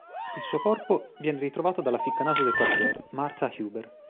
Il suo corpo viene ritrovato dalla ficcanaso del quartiere, Martha Huber.